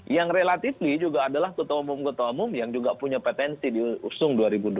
yang relatively juga adalah ketua umum ketua umum yang juga punya potensi diusung dua ribu dua puluh empat